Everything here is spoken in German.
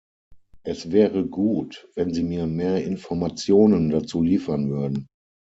Es wäre gut, wenn Sie mir mehr Informationen dazu liefern würden.